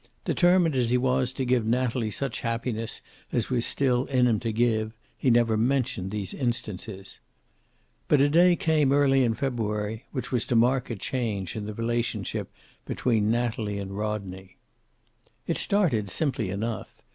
Determined as he was to give Natalie such happiness as was still in him to give, he never mentioned these instances. But a day came, early in February, which was to mark a change in the relationship between Natalie and Rodney. It started simply enough.